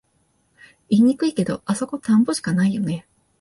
言いにくいけど、あそこ田んぼしかないよね